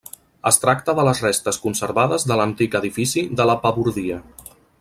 Es tracta de les restes conservades de l'antic edifici de la Pabordia.